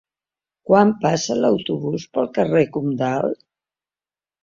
Quan passa l'autobús pel carrer Comtal?